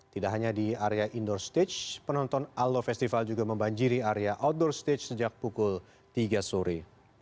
tidak hanya di area indoor stage penonton allo festival juga membanjiri area outdoor stage sejak pukul tiga sore